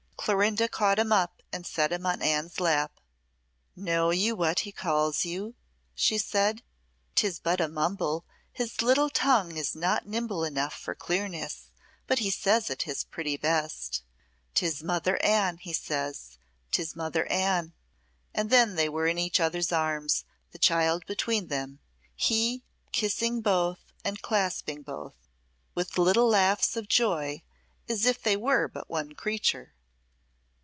Clorinda caught him up and set him on Anne's lap. "Know you what he calls you?" she said. "'Tis but a mumble, his little tongue is not nimble enough for clearness, but he says it his pretty best. 'Tis Mother Anne, he says 'tis Mother Anne." And then they were in each other's arms, the child between them, he kissing both and clasping both, with little laughs of joy as if they were but one creature.